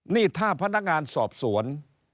นี่ถ้าพนักงานสอบสวน